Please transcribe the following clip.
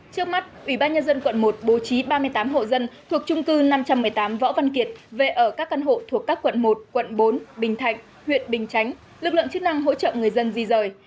trước mắt ủy ban nhân dân quận một bố trí ba mươi tám hộ dân thuộc trung cư năm trăm một mươi tám võ văn kiệt về ở các căn hộ thuộc các quận một quận bốn bình thạnh huyện bình chánh lực lượng chức năng hỗ trợ người dân di rời